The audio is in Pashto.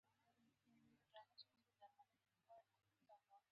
بوډا ور وکتل.